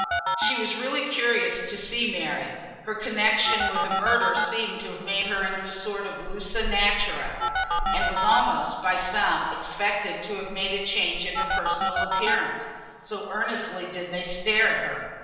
She was really curious to see Mary; her connexion with a murderer seemed to have made her into a sort of lusus naturæ, and was almost, by some, expected to have made a change in her personal appearance, so earnestly did they stare at her.